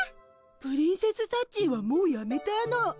プリンセスサッチーはもうやめたの。